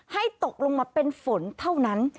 ให้ตกลงมาเป็นฝนเท่านั้น